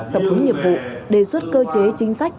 tập hứng nhiệm vụ đề xuất cơ chế chính sách